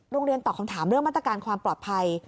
โรงเรียนตอบคำถามเรื่องมาตรการความปลอดภัย